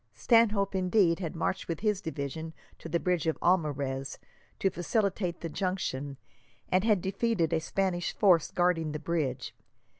Stanhope, indeed had marched with his division to the bridge of Almarez to facilitate the junction, and had defeated a Spanish force guarding the bridge.